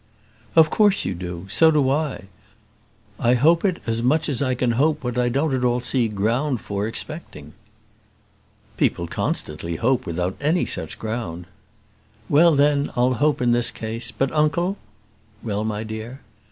"Of course you do: so do I. I hope it as much as I can hope what I don't at all see ground for expecting." "People constantly hope without any such ground." "Well, then, I'll hope in this case. But, uncle " "Well, my dear?"